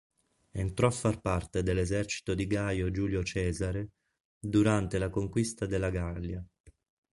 Entrò a far parte dell'esercito di Gaio Giulio Cesare durante la conquista della Gallia.